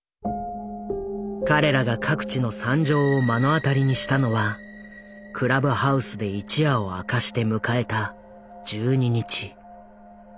彼らが各地の惨状を目の当たりにしたのはクラブハウスで一夜を明かして迎えた１２日。